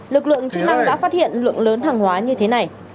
lực lượng chức năng đã phát hiện lượng lớn hàng hóa như thế này